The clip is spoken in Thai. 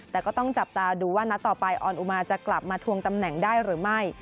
แต่ก็ต้องจับตาดูว่านัดต่อไปออนอุมาจะกลับมาทวงตำแหน่งได้หรือไม่